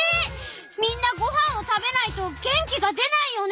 みんなごはんを食べないと元気が出ないよね？